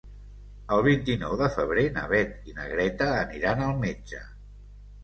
El vint-i-nou de febrer na Beth i na Greta aniran al metge.